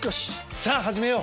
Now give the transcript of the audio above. さあ、はじめよう！